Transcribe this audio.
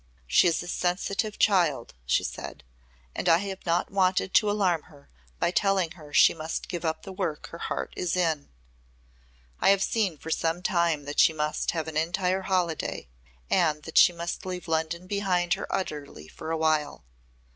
"She is a sensitive child," she said, "and I have not wanted to alarm her by telling her she must give up the work her heart is in. I have seen for some time that she must have an entire holiday and that she must leave London behind her utterly for a while.